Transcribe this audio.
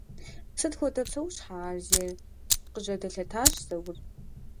— Сыт хуэдэ псэущхьэ ар зейр? — къыжьэдэлъэтащ Заур.